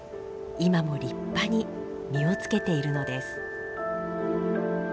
今も立派に実をつけているのです。